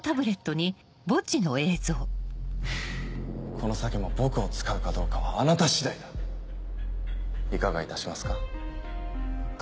この先も僕を使うかどうかはあなた次いかがいたしますか？